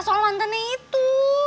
soal mantannya itu